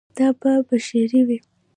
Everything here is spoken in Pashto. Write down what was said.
دا به بشپړ وي